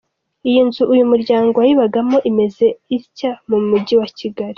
Iyi nzu uyu muryango wayibagamo imeze itya mu mujyi wa Kigali.